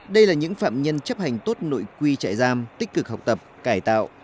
đây là những phạm nhân chấp hành tốt nội quy trại giam tích cực học tập cải tạo